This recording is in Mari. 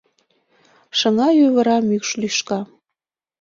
Шыҥа-ӱвыра — мӱкш лӱшка...